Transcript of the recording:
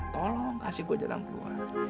tolong kasih gue jarang keluar